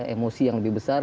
emosi yang lebih besar